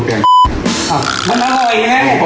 อ่ะมันอร่อยไง